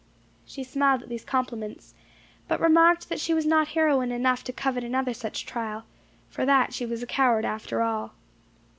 She smiled at these compliments, but remarked that she was not heroine enough to covet another such trial; for that she was a coward after all.